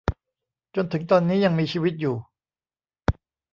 จนถึงตอนนี้ยังมีชีวิตอยู่